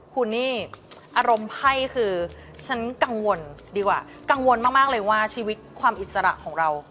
คุณนี่อารมณ์ไพ่คือฉันกังวลดีกว่ากังวลมากเลยว่าชีวิตความอิสระของเรา